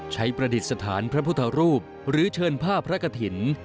ประดิษฐานพระพุทธรูปหรือเชิญผ้าพระกฐิน